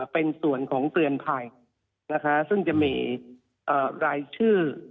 เป็นส่วนของเตือนภัยนะคะซึ่งจะมีรายชื่อ